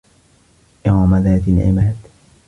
إِرَمَ ذاتِ العِمادِ